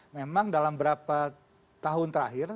memang dalam beberapa tahun terakhir